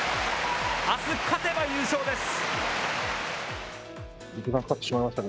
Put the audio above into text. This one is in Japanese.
あす勝てば優勝です。